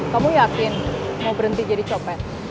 kamu yakin mau berhenti jadi copet